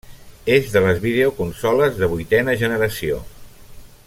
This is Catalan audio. És de les videoconsoles de vuitena generació.